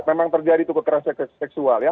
memang terjadi itu kekerasan seksual ya